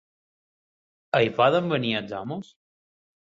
Hi poden venir els homes?